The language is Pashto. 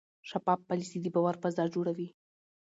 شفاف پالیسي د باور فضا جوړوي.